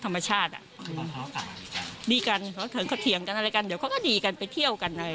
อะไรอย่างนี้